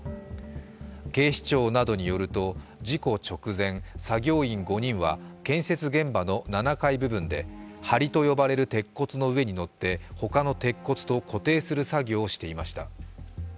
警視庁などによると、事故直前、作業員５人は建設現場の７階部分ではりと呼ばれる鉄骨の上に乗ってほかの鉄骨と固定する作業をしていました。